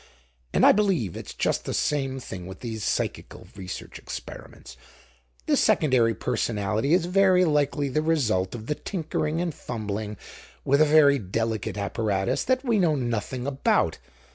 And I believe it's just the same thing with these psychical research experiments; the secondary personality is very likely the result of the tinkering and fumbling with a very delicate apparatus that we know nothing about.